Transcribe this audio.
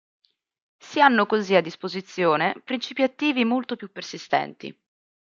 Si hanno così a disposizione principi attivi molto più persistenti.